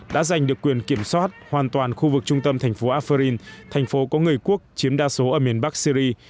đã giành được quyền kiểm soát hoàn toàn khu vực trung tâm thành phố alfreen thành phố có người quốc chiếm đa số ở miền bắc syri